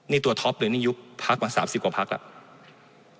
นี่ตัวท็อปหรือนี่ยุคพักมา๓๐กว่าพักแล้ว